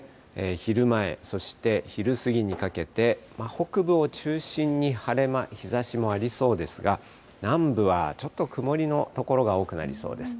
昼前、そして昼過ぎにかけて、北部を中心に晴れ間、日ざしもありそうですが、南部はちょっと曇りの所が多くなりそうです。